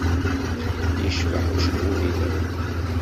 Yecbeḥ ucebbub-nnem.